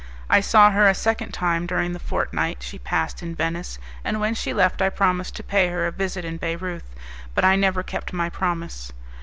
I saw her a second time during the fortnight she passed in Venice, and when she left I promised to pay her a visit in Bayreuth, but I never kept my promise.